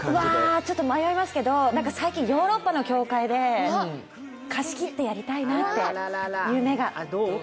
ちょっと迷いますけど、最近ヨーロッパの教会で貸し切ってやりたいなという夢が。